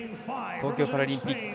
東京パラリンピック